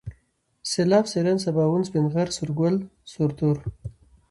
سيلاب ، سيلان ، سباوون ، سپين غر ، سورگل ، سرتور